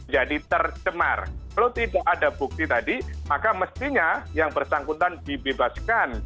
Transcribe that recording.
jadi tercemar kalau tidak ada bukti tadi maka mestinya yang bersangkutan dibebaskan